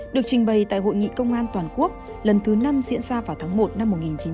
được trình bày tại hội nghị công an toàn quốc lần thứ năm diễn ra vào tháng một năm một nghìn chín trăm bảy mươi năm